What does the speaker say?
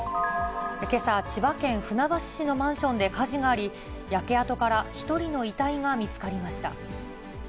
けさ、千葉県船橋市のマンションで火事があり、焼け跡から１人の遺体が見つかりました。